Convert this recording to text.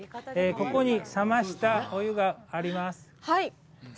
ここに冷ましたお湯があります。